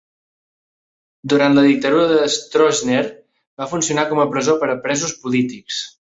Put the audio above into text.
Durant la dictadura de Stroessner va funcionar com a presó per a presos polítics.